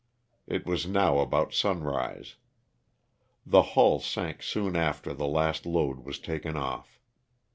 It was now about sun rise. The hull sank soon after the last load was taken off.